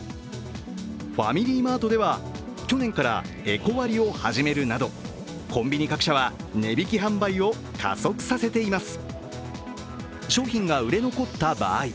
ファミリーマートでは去年からエコ割を始めるなどコンビニ各社は値引き販売を加速させています。